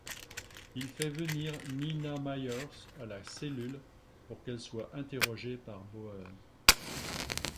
Il fait venir Nina Myers à la Cellule pour qu'elle soit interrogée par Bauer.